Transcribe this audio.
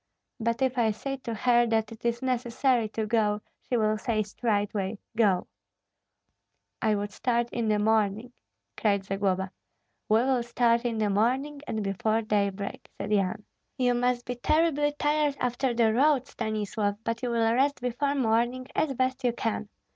But if I say to her that it is necessary to go, she will say straightway. Go!" "I would start in the morning," cried Zagloba. "We will start in the morning and before daybreak," said Yan. "You must be terribly tired after the road, Stanislav, but you will rest before morning as best you can.